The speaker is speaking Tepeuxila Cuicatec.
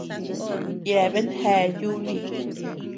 Yeabean gea yùni.